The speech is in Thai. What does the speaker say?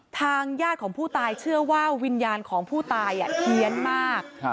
ทางญาติของผู้ตายเชื่อว่าวิญญาณของผู้ตายเฮียนมาก